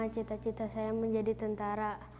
cita cita saya menjadi tentara